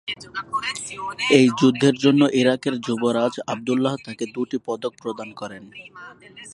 এই যুদ্ধের জন্য ইরাকের যুবরাজ আবদুল্লাহ তাকে দুটি পদক প্রদান করেন।